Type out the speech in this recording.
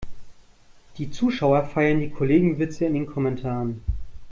Die Zuschauer feiern die Kollegenwitze in den Kommentaren.